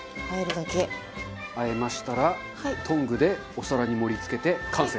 和えましたらトングでお皿に盛り付けて完成。